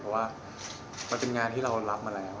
เพราะว่ามันเป็นงานที่เรารับมาแล้ว